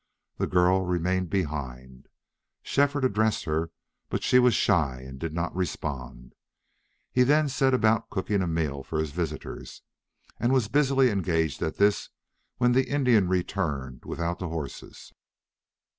The girl remained behind. Shefford addressed her, but she was shy and did not respond. He then set about cooking a meal for his visitors, and was busily engaged at this when the Indian returned without the horses.